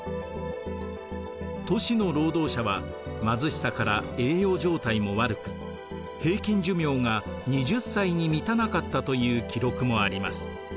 都市の労働者は貧しさから栄養状態も悪く平均寿命が２０歳に満たなかったという記録もあります。